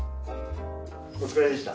お疲れでした。